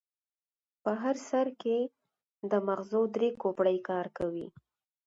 په هر سر کې د ماغزو درې کوپړۍ کار کوي.